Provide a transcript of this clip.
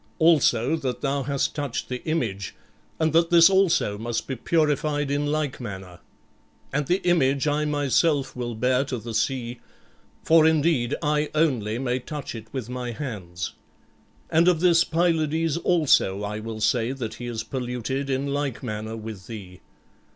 Also that thou hast touched the image, and that this also must be purified in like manner. And the image I myself will bear to the sea; for, indeed, I only may touch it with my hands. And of this Pylades also I will say that he is polluted in like manner with thee.